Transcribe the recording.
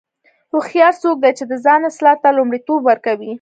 هوښیار څوک دی چې د ځان اصلاح ته لومړیتوب ورکوي.